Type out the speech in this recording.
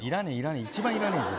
一番いらねえじゃん。